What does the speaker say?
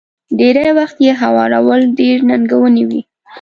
ډېری وخت يې هوارول ډېر ننګوونکي وي.